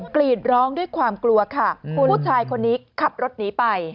กรีดร้องด้วยความกลัวค่ะคุณผู้ชายคนนี้ขับรถหนีไป